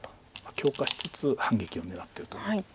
強化しつつ反撃を狙ってると。